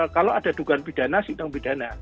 kalau ada dugaan pidana sidang pidana